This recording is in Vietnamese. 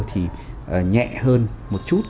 thì nhẹ hơn một chút